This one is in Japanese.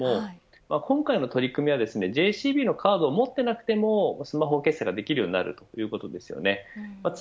今回の取り組みはＪＣＢのカードを持っていなくてもスマホ決済ができるということです。